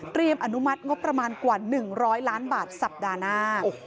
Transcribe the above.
อนุมัติงบประมาณกว่า๑๐๐ล้านบาทสัปดาห์หน้า